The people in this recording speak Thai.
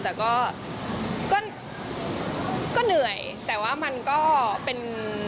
แต่ก็ก็เหนื่อยแต่ว่ามันก็เป็น